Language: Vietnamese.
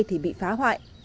thì bị phá hoại